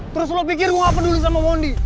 terus lo pikir gue gak peduli sama mondi